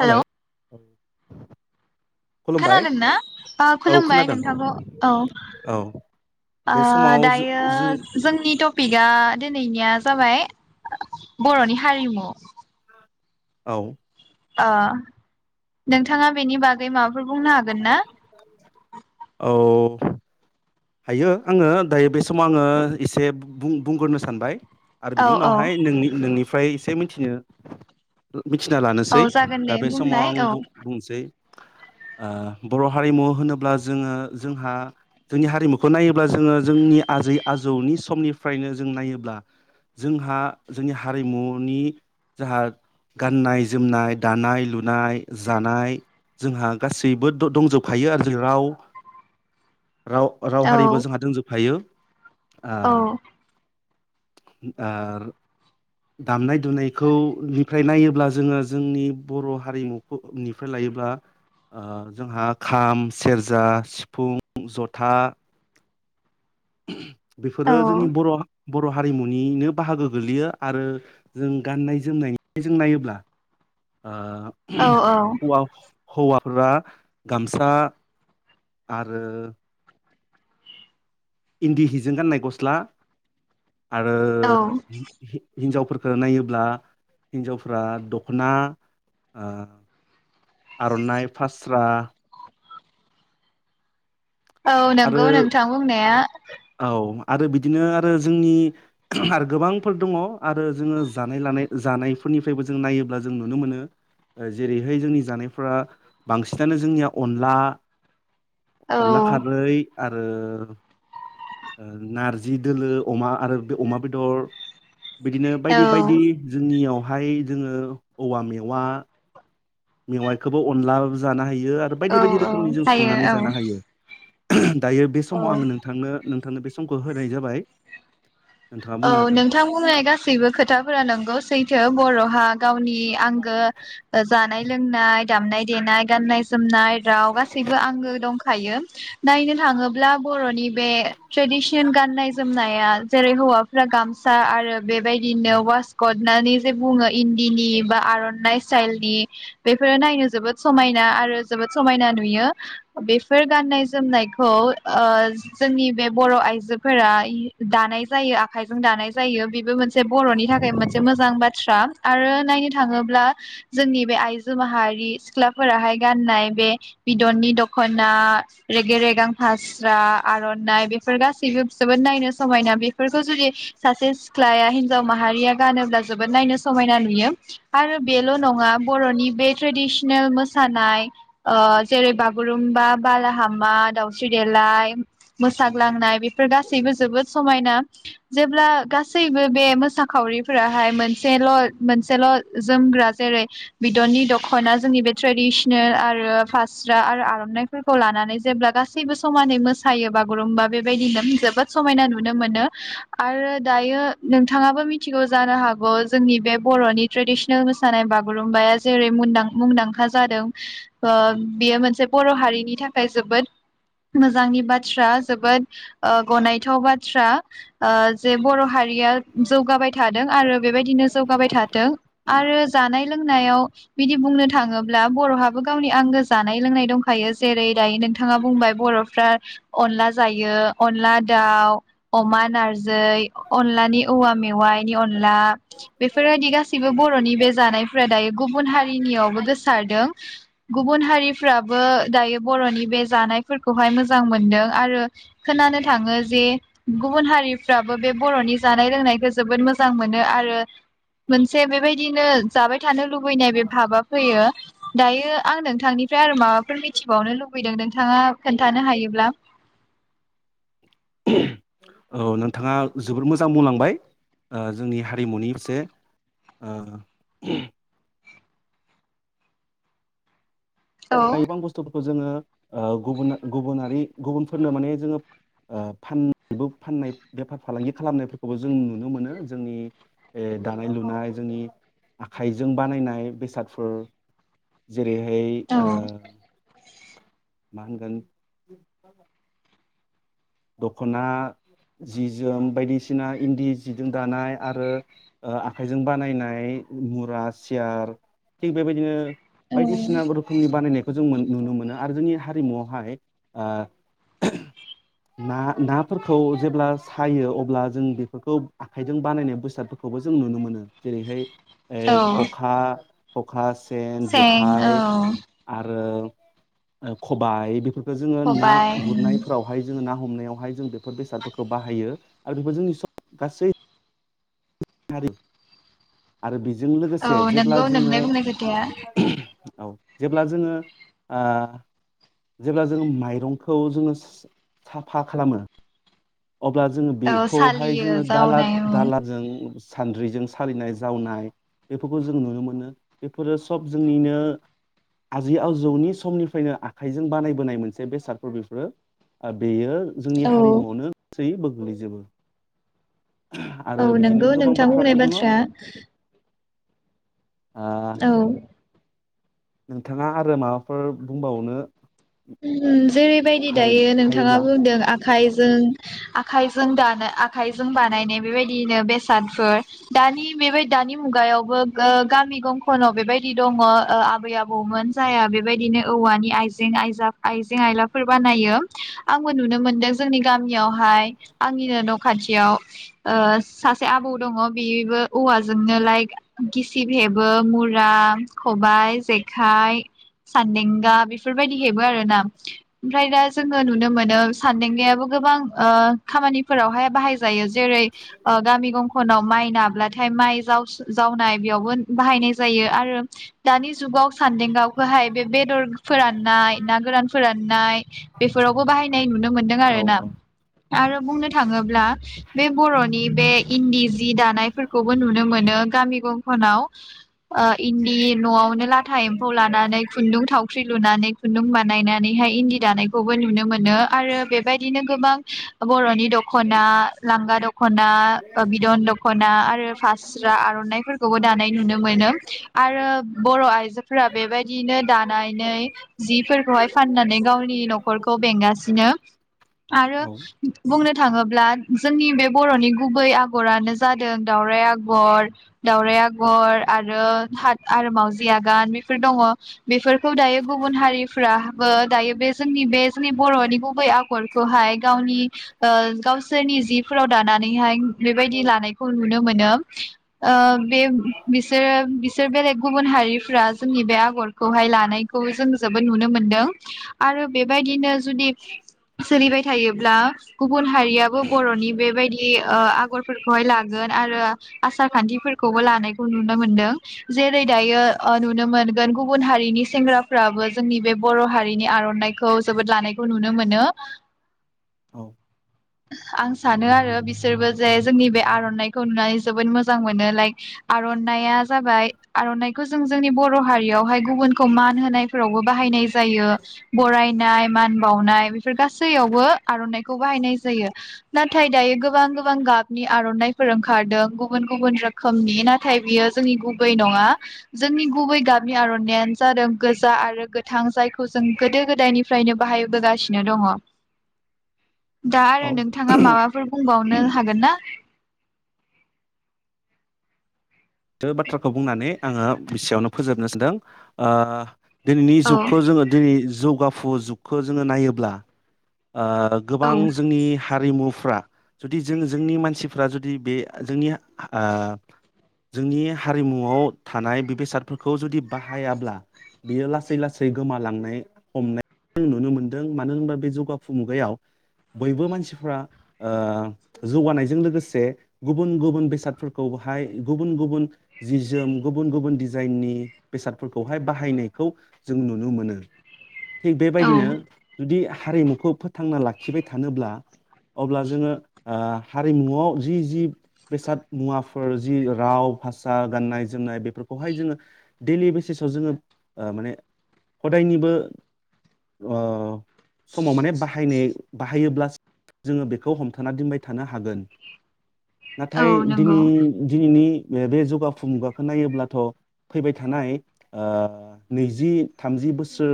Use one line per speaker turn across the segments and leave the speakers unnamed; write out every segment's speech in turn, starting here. Hello खुलुमबाय
खोनादोंना ओ
औ
खुलुमबाय
खोनादों
नोंथांखौ औ
औ
ओ
बे समाव
दायो
जो- जों
जोंनि टपिकआ दिनैनिया जाबाय बर'नि हारिमु।
औ
अ नोंथाङा बेनि बा गै माबाफोर बुंनो हागोन ना?
औ हायो आङो दायो बे समाव आङो एसे बुं बुंग्रोनो सानबाय। आरो
औ
बिनि
औ
उनावहाय नोंनि नोंनि फ्राय एसे मिथिनो मिथिना
औ
लानोसै
जागोन
दा
दे
बे समाव
बुंनाय
आं
औ
बुं बुंसै ओ बर' हारिमु होनोब्ला जोङो जोंहा जोंनि हारिमुखौ नायोब्ला जोङो जोंनि आजै आजौनि समनिफ्रायनो जों नायोब्ला जोंहा जोंनि हारिमुनि जाहा गाननाय जोमनाय दानाय लुनाय जानाय जोंहा गासैबो दं दंजोबखायो आरो जों राव राव राव
औ
हारिबो जोंहा दंजोबखायो। आ
औ
दा दामनाय दुनायखौ निफ्राय नायोब्ला जोङो जोंनि बर' हारिमुखौ निफ्राय लायोब्ला ओ जोंहा खाम सेरजा सिफुं जथा
औ
बेफोरो जोंनि बर' बर' हारिमुनिनो बाहागो गोग्लैयो आरो जों गाननाय जोमनायनि जों नायोब्ला
औ
[unintelligible] हौवाफोरा गामसा आ ओ इन्दि हिजों गाननाय गस्ला आरो
औ
हि-हि-हिनजावफोर फोर नायोब्ला हिनजावफ्रा दख'ना ओ आर'नाय फारस स्रा
औ
आरो
नंगौ नोंथां बुंनाया
औ आरो बिदिनो आरो जोंनि आरो गोबांफोर दङ आरो जोङो जानाय लानाय जानायफोरनिफ्रायबो जों नायोब्ला जों नुनो मोनो जेरैहाय जोंनि जानायफोरा बांसिनानो जोंनिया अनला अनला खारै
औ
आरो नारजि दोलो अमा आरो बे अमा बेदर बिदिनो
औ
बायदि बायदि जोंनियाव बहाय जोङो औवा मेवा मेवाइखौबो अनलाबो जानो हायो बेयो आरो
औ
बायदि बायदि
औ
रोखोमनि जों
हायो
संनानै
औ
जानो हायो। दायो बे
औ
समाव आङो नोंथांनो दा नोंथांनो बे समखौ होनाय जाबाय। नोंथाङा
औ
बुंनो हागोन
नोंथां बुंनाय गासैबो खोथाफोरा नंगौ सैथो बर'हा जोंनि आंगो ओ जानाय लोंनाय दामनाय देनाय गान्नाय जोमनाय राव गासैबो आंगो दंखा हायो नायनो थाङोब्ला बर'नि बे ट्रेडिसन गाननाय जोमनाया जेरै हौवाफ फोरा गामसा आरो बेबायदिनो वास कट होननानै जे बुङो इन्दिनि बा आर'नाइ स्टाइलनि बेफोरो नायनो जोबोद समायना आरो जोबोद समायना नुयो बेफोर गाननाय जोमनायखौ ओ जोंनि बे बर' आइजोफोरा दानाय जायो। आखाइजों दानाय जायो बेबो मोनसे से बरनि थाखाय मोनसे मोजां बाथ बाथ्रा आरो नायनो थाङोब्ला जोंनि बे आइजो माहारि सिख्लाफोराहाय गाननाय बे बिदननि दख'ना रेगे रेगां फास्रा आर'नाइ बेफोर गासैबो जोबोद नायनो समायना बेफोर खौ जुदि सासे सिख्लाया हिनजाव माहारिया गानोब्ला जोबोद नायनो समायना नुयो आरो बेल'नङा बर'नि बे ट्रेडिस नो मोसानाय ओ जेरै बागुरुम्बा बालाहामा दाउस्रि देलाय मोसाग्लांनाय बेफोर गासैबो जोबोद समायना । जेब्ला गासैबो बे मोसाखावरिफोराहाय मोनसेल' मोनसेल' जोमग्रा जेरै बिदननि दख खना जोंनि बे ट्रेडिसनेल आरो फास्रा आरो आर'नाइफोरखौ लानानै जेब्ला गासै गासैबो समानै मोसायो बागुरुम्बा बेबायदिनो जोबोद समायना नुनो मोनो । आरो दायो नोंथाङाबो मिथिगौ जानो हागौ जोंनि बे बर'नि ट्रेडिसनेल मोसानाय बागुरुम्बाया जेरै मुंदां मुंदांखा जादों ओ बेयो मोनसे बर' हारिनि थाखाय जोबोद मोजांनि बाथ बाथ्रा जोबोद ओ गनायथाव बाथ्रा । ओ जे बर' हारिया जौगाबाय थादों आरो बेबायदिनो जौगाबाय थाथों आरो जानाय लों नायाव बिदि बुंनो थाङोब्ला बर'हाबो गावनि आंगो जानाय लोंनाय दंखायो जेरै दायो नोंथां बिथाङा बुंबाय बर'फ्रा अनला जायो अनला दाउ अमा नारजै अनलानि औवा मेवाइनि अनला बेफोरबायदि गासैबो बर'नि बे जानायफोरा दायो गुबुन हारिनियावबो गोसारदों गुबुन हारिफ्राबो दायो बर'नि बे जानायफोरखौहाय मोजां मोनदों आरो खोनानो थाङो जे गुबुन हारिफ्राबो बे बर'नि जानाय लोंनायखौ जोबोद मोजां मोनो आरो मोनसे बेबायदिनो जाबाय थानो लुबैनाय बे भाबा फैयो । दायो आं नोंथांनिफ्राय आरो माबाफोर मिथिबावनो लुबैदों नोंथाङा खोन्थानो हायोब्ला?
औ नोंथाङा जोबोद मोजां बुंलांबाय ओ जोंनि हारिमुनि एसे ओ
औ
[unintelligible] बस्थ' खौ जोङो ओ गुबना गुबुनारि गुबुनफोरनो माने जोङो फानबो फाननाय बेफार फालांगि खालामनायफोरखौबो जों नुनो मोनो जोंनि ओ दानाय लुनाय जोंनि आखाइजों बानायनाय बेसादफोर जेरैहाय
औ
ओ मा होनगोन दखना जि जोम बायदिसिना इन्दि जिजों दानाय आरो आखाइजों बानायनाय मुरा सियार थिग बेबायदिनो
औ
बायदिसिना रोखोमनि बानायनायखौ जों मोन नुनो मोनो आरो जोंनि हारिमुआवहाय ओ [inaudible] ना नाफोरखौ जेब्ला सायो अब्ला जों बेफोरखौ आखाइजों बानायनाय बेसादफोरखौबो जों नुनो मोनो जेरैहाय ए
औ
खखा अकास
सें औ
आरो खबाय बे जोंङो ना
खबाय उम
गुरनायफोरावहाय ना हमनायावहाय जों बेफोर बेसादफोरखौ बाहायो आरो बेफोर जोंनि गासै हारि आरो बेजों लोगोसे
औ
जेब्ला
नोंगौ
जोङो
नोंनाय बुंनाय खोथाया
औ जेब्ला जोंङो ओ जेब्ला जोंङो माइरंखौ जोंङो सस साफा खालामो अब्ला जोंङो
औ
बेखौहाय
सालियो
जोंङो दालाद
जावनाय औ
दालारजों सान्द्रिजों सालिनाय जावनाय बेफोरखौ जों नुनो मोनो बेफोरो सब जोंनिनो आजै आजौनि समनिफ्रायनो आखाइजों बानायबोनाय मोनसे बेसादफोर बेफोरो ओ बेयो जोंनि
औ
हारिमुआवनो सैबो गोग्लैजोबो आरो
औ
बिदिनो
नंगौ
गोबां
नोंथां
बाथ्राफोर
बुंनाय
दङ
बाथ्राया
हा
औ
नोंथांङा आरो माबाफोर बुंबावनो
उम जेरैबायदि
हायो
दायो नोंथाङा
हायोब्ला
बुंदों आद खाइजों आखाइजों दानो आग खाइजों बानायनाय बेबायदिनो बेसादफोर दानि बेबाय दानि मुगायावबो ओ गामि गंखनाव बेबायदि दंङ ओ आबै आबौमोन जाया बेबायदिनो औवानि आइजें आइज आइजें आइलाफोर बानायो आंबो नुनो मोनदों जोंनि गामियावहाय आंनिनो नख खाथियाव ओ सासे आबौ दंङ बेबो औवाजोंनो लाइक गिसिब हेबो‌ मुरा खबायाइ जेखाइ सान्देंगा बेफोरबायदि हेबो आरो नाम ओमफ्राय दा जोंङो नुनो मोनो सानदेंगायाबो गोबां ओ खामानिफोरावहाय बाहाय ज जायो जेरै ओ गामि गंखनाव माइ नाब्लाथाय माइ जावसो जावनाय बेयावबो बाहायनाय जायो आरो दानि जुगाव सान्देंगावखौहाय बे बेदर फोराननाय ना गोरान फोराननाय बेफोरावबो बाहायनाय नुनो मोनदों
औ
आरो ना
औ
आरो बुंनो थाङोब्ला बे बर'नि बे इन्दि जि दानायफोरखौबो नुनो मोनो गामि गंखनाव ओ इन बि न'आवनो लाथा एम्फौ लानानै खुन्दुं थावख्रि लुनानै। खुन्दुं बानायनानैहाय इन्दि दानायखौबो नुनो मोनो आरो बेबायदिनो गोबां बर'नि दख'ना, लांगा दख'ना, बिदन दख'ना आरो फास्रा आर'नाइफोरखौबो दानाय नुनो मोनो आरो बर' आइजोफोरा बेबायदिनो दानानै। हि फोरखौहाय फाननानै गावनि न'खरखौ बेंगासिनो आरो
औ
ग बुंनो थाङोब्ला जोंनि बे बर'नि गुबै आगरानो जादों दावराइ आगर दावराइ आगर आरो हाद आरो मावजि आगान बेफोर दङ बेफोरखौ दायो गुब गुबुन हारिफ्राबो दायो बे जोंनि बे जोंनि बर'नि गुबै आगरखौहाय गावनि ओ गावसोरनि जिफोराव दानानैहाय बेबायदि लानायखौ नुनो मोनो ओ बे बिसोरो बिस सोर बेलेग गुबुन हारिफ्रा जोंनि बे आगर। खौहाय लानाय। खौ जों जोबोद नुनो मोनदों आरो बेबायदिनो जुदि सोलिबाय थायोब्ला। गुबुन हारियाबो बर'नि बेबायदि ओ आगरफोरखौहाय ला गोन आरो आसारखान्थिफोरखौबो लानायखौ नुनो मोनदों जेरै दायै नुनो गुबुन हारिनि सेंग्रा। फ्राबो जोंनि बे बर' हारिनि आर'नाइ। खौ जोबोद लानायखौ नुनो मोनो।
औ।
आं सानो आरो बिस सोरबो जे जोंनि बे आर'नाइ खौ नुनानै जोबो मोजां मोनो लाइक आर'नाइ आ जाबाय आरनाइखौ जों जोंनि बर'हारियावहाय गुबुनखौ मान होनाय। फोरावबो बाहायनाय जायो बरायनाय मान बावनाय बेफोर गासैयावबो आर'नाइखौ बाहायनाय जायो नाथाय दायो गोबां गोबां गाबनि आर'नाइफोर ओंखारदों गुबुन गुबुन रोखोमनि नाथाय बियो जोंनि गुबै नङा जोंनि गुबै गाबनि आर'नाइआनो जादों गोजा आरो गोथां जायखौ जों गोदो गोदायनिफ्रायनो बाहायबोगासिनो दङ। दा आरो नोंथाङा
औ
माबाफोर बुंबाव नो हागोनना?
[unintelligible] बाथ्राखौ बुंनानै। आङो एसेयावनो फोजोबनो सानदों ओ दिनैनि
औ
जुगखौ जोङो दिनै जौगाफु जुगखौ जोङो नायोब्ला। ओ
औ
गोबां जोंनि हारिमुफ्रा। जुदि जों जोंनि मानसिफ्रा जुदि बे जोंनि ओ जोंनि हारिमुआव थानाय बे बेसादफोरखौ जुदि बाहायाब्ला बियो लासै लासै गोमालांनाय हमनाय नुनो मोनदों मानो होनोबा बे जौगाफु मुगायाव बयबो मानसिफ्रा ओ जौगानायजों लोगोसे गुबुन गुबुन बेसादफोरखौ हाय। गुबुन गुबुन जि जोम गुबुन गुबुन डिजाइननि बेसादफोरखौहाय बाहायनायखौ जों नुनो मोनो। थिग
औ
बेबायदिनो जुदि हारिमुखौ फोथांना लाखिबाय थानोब्ला अब्ला जोङो ओ हारिमुआव जि जि बेसाद मुवाफोर जि राव भाषा गान्नाय जोमनाय बेफोरखौहाय जोङो डेलि बेसिसाव जोङो ओ माने हदायनिबो ओ समाव माने बाहायनाय बाहायोब्ला जोङो बेखौ हमथाना दोनबाय थानो हागोन।
औ
नाथाय दिनै
नंगौ
दिनैनि बे बे जुगाफ मुगाखौ नायोब्लाथ' फैबाय थानाय ओ नैजि थामजि बोसोर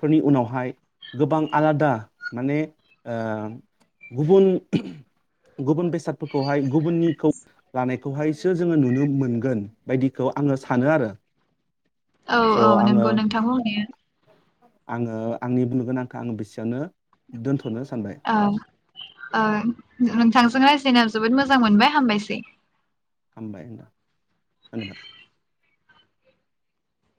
फोरनि उनावहाय गोबां आलादा माने ओ गुबुन बेसादफोरखौहाय गुबुननिखौ लानाय बेखौहायसो जोङो नुनो मोनगोन बायदिखौ आङो सानो आरो।
औ
स'
औ
आङो
नंगौ नोंथां बुंनाया।
आङो आंनि बुंनो गोन आांखौ आङो बेसेयावनो दोनथ'
औ औ नोंथांजों राइज्लायना जोबोद मोजां मोनबाय हामबायसै।
हामबाय [unintelligible]